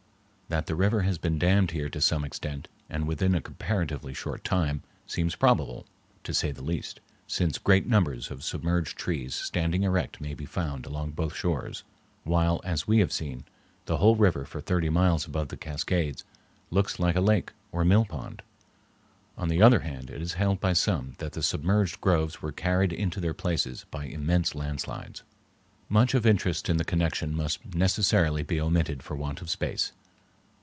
That the river has been dammed here to some extent, and within a comparatively short period, seems probable, to say the least, since great numbers of submerged trees standing erect may be found along both shores, while, as we have seen, the whole river for thirty miles above the Cascades looks like a lake or mill pond. On the other hand, it is held by some that the submerged groves were carried into their places by immense landslides. Much of interest in the connection must necessarily be omitted for want of space.